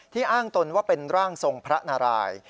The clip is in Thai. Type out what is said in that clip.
อ้างตนว่าเป็นร่างทรงพระนาราย